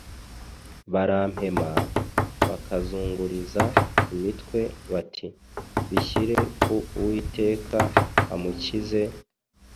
barampema, bakanzunguriza imitwe, bati: ‘Bishyire ku Uwiteka amukize,